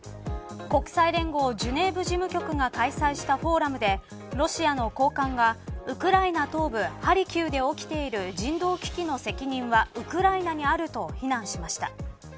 国際連合ジュネーブ事務局が開催したフォーラムでロシアの高官がウクライナ東部ハルキウで起きている人道危機の責任はウクライナにあると非難しました。